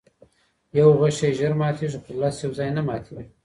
یوه غشی ژر ماتیږي، خو لس یوځای نه ماتیږي.